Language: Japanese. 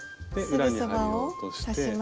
裏に針を落として。